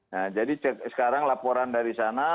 nah jadi sekarang laporan dari sana